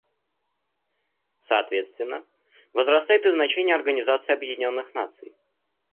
Соответственно, возрастает и значение Организации Объединенных Наций.